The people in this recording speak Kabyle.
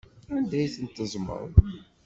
Anda ay tent-teẓẓmeḍ?